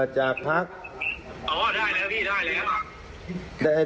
จากพักอ๋อได้แล้วพี่ได้แล้ว